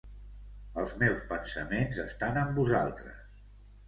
Els meus pensaments estan amb vosaltres.